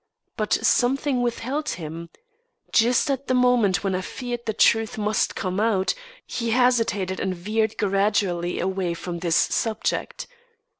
But something withheld him. Just at the moment when I feared the truth must come out, he hesitated and veered gradually away from this subject.